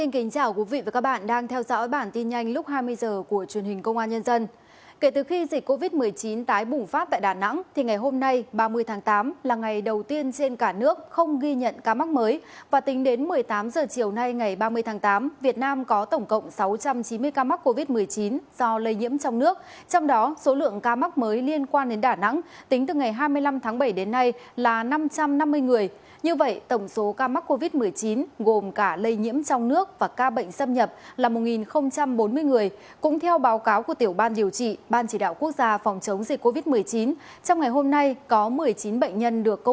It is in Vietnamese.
hãy đăng ký kênh để ủng hộ kênh của chúng mình nhé